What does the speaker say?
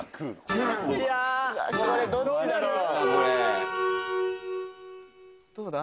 これどっちだろう？